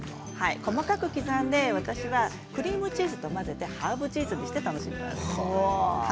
細かく刻んで私はクリームチーズと混ぜてハーブチーズにして楽しんでいます。